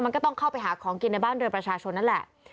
มันก็ต้องเข้าไปหาของกินในบ้านเรือประชาชนนั่นแหละ